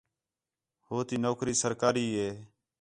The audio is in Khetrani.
ہُوتی نوکری سرکاری ہے